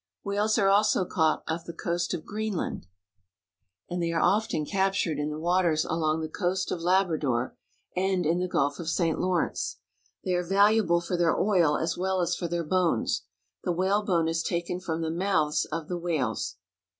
Whales are also caught off the coast of Greenland, and THE CANADIAN FISHERIES. 315 they are often captured in the waters along the coast of Labrador and in the Gulf of St. Lawrence. They are valuable for their oil as well as for the bones. The whale bone is taken from the mouths of the whales.